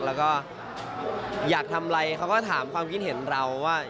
แล้วก็อยากทำอะไรเขาก็ถามความคิดเห็นเราว่า